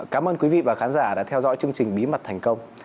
cảm ơn quý vị và khán giả đã theo dõi chương trình bí mật thành công